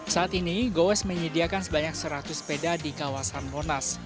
saat ini goes menyediakan sebanyak seratus sepeda di kawasan monas